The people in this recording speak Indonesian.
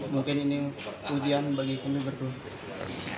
mungkin ini ujian bagi kami berdua